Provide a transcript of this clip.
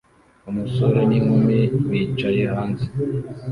Umusore n'inkumi bicaye hanze